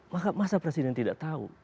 maka masa presiden tidak tahu